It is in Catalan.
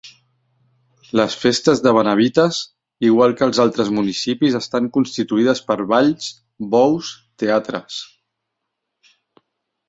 Les festes de Benavites igual que els altres municipis estan constituïdes per balls, bous, teatres.